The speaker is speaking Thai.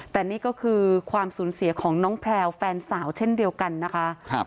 แต่นี่ก็คือความสูญเสียของน้องแพลวแฟนสาวเช่นเดียวกันนะคะ